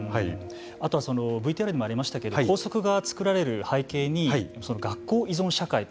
あとはＶＴＲにもありましたけれど校則が作られる背景に学校依存社会と。